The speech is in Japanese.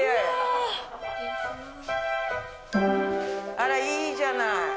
あらいいじゃない。